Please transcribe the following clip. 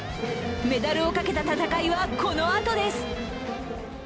メダルをかけた戦いはこのあとです。